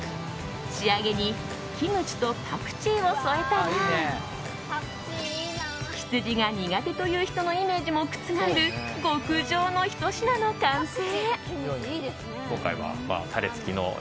仕上げにキムチとパクチーを添えたら羊が苦手という人のイメージも覆る極上のひと品の完成！